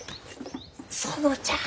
園ちゃん！